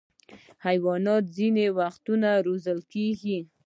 حیوانات ځینې وختونه روزل کېږي.